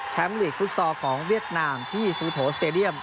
แชมป์วิทย์ฟุตซอลของเวียดนามที่ฟูโถสเตรเดียม